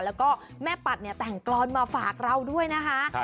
แล้วก็แม่ปัดเนี่ยแต่งกรอนมาฝากเราด้วยนะคะ